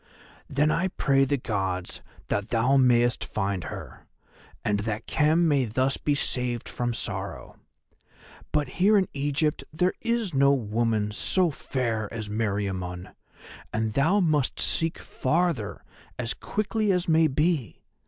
"Then I pray the Gods that thou mayest find her, and that Khem may thus be saved from sorrow. But here in Egypt there is no woman so fair as Meriamun, and thou must seek farther as quickly as may be.